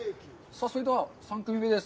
それでは、３組目です。